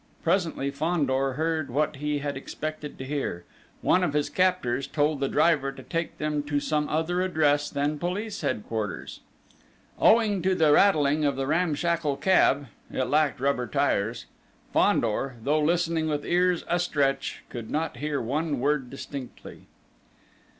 Presently, Fandor heard what he had expected to hear: one of his captors told the driver to take them to some other address than Police Headquarters. Owing to the rattling of the ramshackle cab it lacked rubber tyres Fandor, though listening with ears astretch, could not hear one word distinctly.